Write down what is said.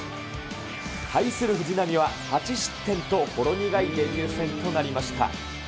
対する藤浪は８失点と、ほろ苦いデビュー戦となりました。